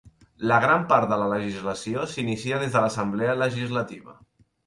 La gran part de la legislació s'inicia des de l'Assemblea Legislativa.